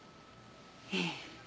ええ。